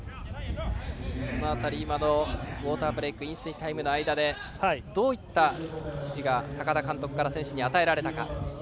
その辺り今のウォーターブレーク飲水タイムの間でどういった指示が高田監督から選手に与えられたか。